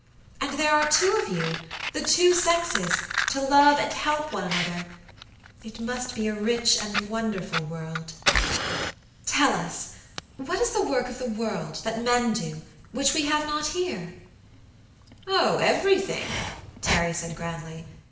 And there are two of you the two sexes to love and help one another. It must be a rich and wonderful world. Tell us what is the work of the world, that men do which we have not here?" "Oh, everything," Terry said grandly.